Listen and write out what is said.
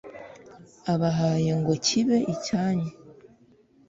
abahaye ngo kibe icyanyu